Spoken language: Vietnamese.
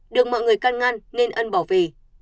được mọi người căn ngăn nên ân bỏ về